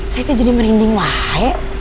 saya itu jadi merinding wahai